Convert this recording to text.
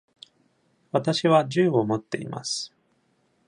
私は銃を持っています。